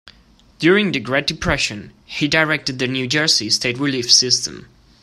During the Great Depression, he directed the New Jersey state relief system.